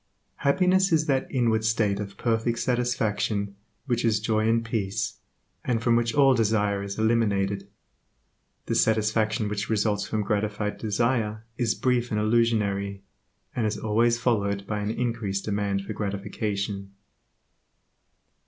Happiness is that inward state of perfect satisfaction which is joy and peace, and from which all desire is eliminated. The satisfaction which results from gratified desire is brief and illusionary, and is always followed by an increased demand for gratification.